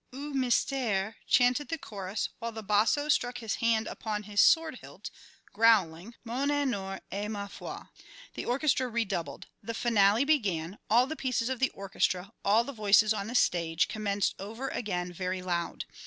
"O mystére!" chanted the chorus, while the basso struck his hand upon his sword hilt, growling "Mon honneur et ma foi." The orchestra redoubled. The finale began; all the pieces of the orchestra, all the voices on the stage, commenced over again very loud.